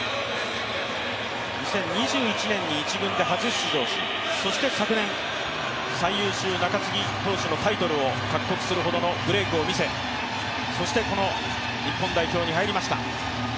２０２１年に１軍で初出場しそして昨年、最優秀中継ぎ投手のタイトルを獲得するほどのブレークを見せそして、この日本代表に入りました